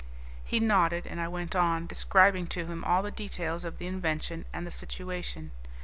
He nodded, and I went on, describing to him all the details of the invention and the situation.